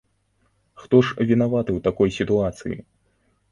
Хто ж вінаваты ў такой сітуацыі?